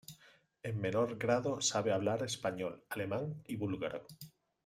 En menor grado sabe hablar español, alemán y búlgaro.